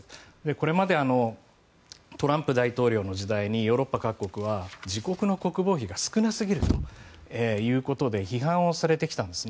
これまでトランプ大統領の時代にヨーロッパ各国は自国の国防費が少なすぎるということで批判をされてきたんです。